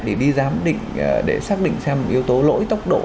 để đi giám định để xác định xem yếu tố lỗi tốc độ